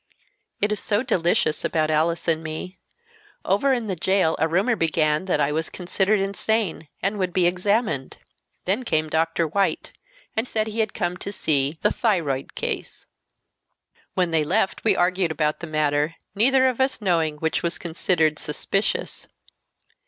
It is so delicious about Alice and me. Over in the jail a rumor began that I was considered insane and would be examined. Then came Doctor White, and said he had come to see 'the thyroid case.' When they left we argued about the matter, neither of us knowing which was considered 'suspicious.